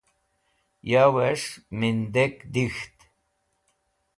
Yowes̃h Mindek Dik̃ht